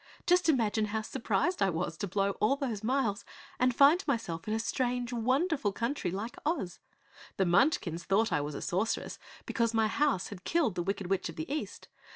Just imagine how surprised I was to blow all those miles and find myself in a strange, wonderful country like Oz. The Munchkins thought I was a sorceress because my house had killed the wicked witch of the East.